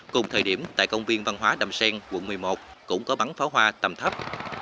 cùng thời điểm tại công viên văn hóa đầm sen quận một mươi một cũng có bắn pháo hoa tầm thấp